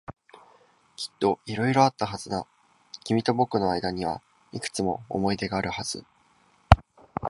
きっと色々あったはずだ。君と僕の間にはいくつも思い出があるはず。